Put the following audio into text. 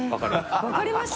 分かりました。